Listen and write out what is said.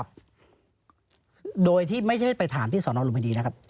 เป็นอย่างไรนะ